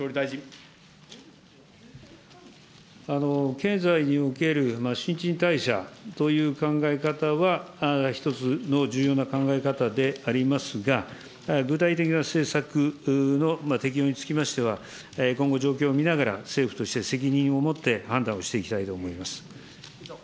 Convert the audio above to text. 経済における新陳代謝という考え方は、一つの重要な考え方でありますが、具体的な政策の適用につきましては、今後状況を見ながら、政府として責任を持って判断をしていきたいと思います。